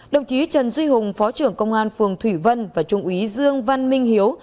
đồng chí trần duy hùng phó trưởng công an phường thủy vân và trung úy dương văn minh hiếu